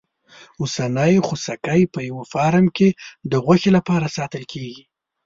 اوسنی خوسکی په یوه فارم کې د غوښې لپاره ساتل کېږي.